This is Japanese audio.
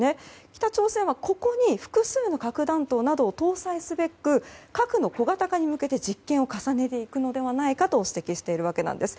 北朝鮮はここに複数の核弾頭などを搭載すべく核の小型化に向けて実験を重ねていくのではないかと指摘しているわけなんです。